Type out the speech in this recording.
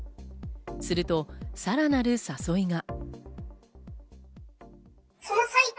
すると更なる誘いが。